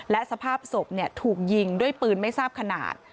และสภาพศพถูกยิงด้วยปืนไม่ทราบขนาด